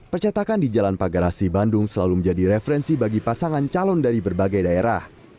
percetakan di jalan pagarasi bandung selalu menjadi referensi bagi pasangan calon dari berbagai daerah